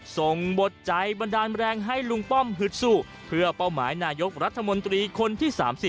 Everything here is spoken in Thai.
ส่งบทใจบันดาลแรงให้ลุงป้อมฮึดสู้เพื่อเป้าหมายนายกรัฐมนตรีคนที่๓๐